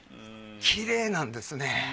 きれいなんですね。